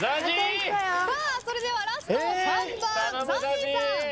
それではラスト３番ＺＡＺＹさん。